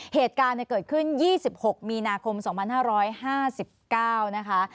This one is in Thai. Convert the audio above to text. เหตุการณ์เกิดขึ้น๒๖มีนาคม๒๕๕๙นะคะ